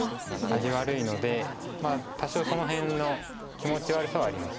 味悪いのでまあ多少その辺の気持ち悪さはあります。